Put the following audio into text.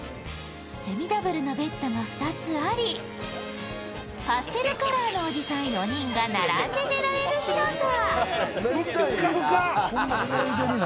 セミダブルのベッドが２つありパステルカラーのおじさん４人が並んで寝られる広さ。